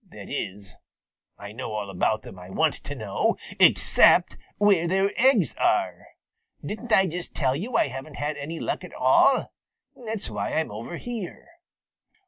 That is, I know all about them I want to know, except where their eggs are. Didn't I just tell you I haven't had any luck at all? That's why I'm over here."